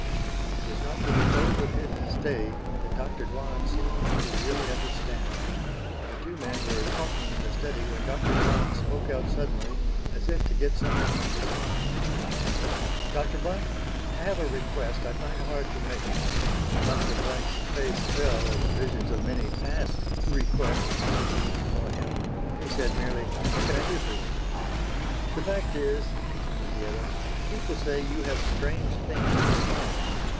It was not till the close of his stay that Dr. Dwan seemed to really understand. The two men were talking in the study when Dr. Dwan spoke out suddenly as if to get something off his mind: "Dr. Blank, I have a request I find hard to make." Dr. Blank's face fell as visions of many past requests came before him, but he said merely: "What can I do for you?" "The fact is," continued the other, "people say you have strange things in your home.